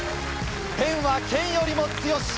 「ペンは剣よりも強し」。